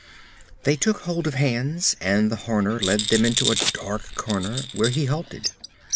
They took hold of hands and the Horner led them into a dark corner, where he halted.